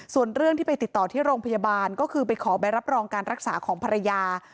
ส่วนเรื่องที่ไปติดต่อที่โรงพยาบาลก็คือไปขอใบรับรองการรักษาของภรรยา